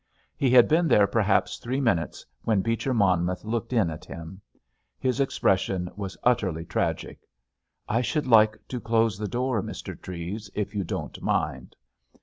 He had been there perhaps three minutes, when Beecher Monmouth looked in at him. His expression was utterly tragic. "I should like to close the door, Mr. Treves, if you don't mind."